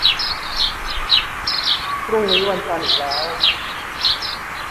พรุ่งนี้วันจันทร์อีกแล้ว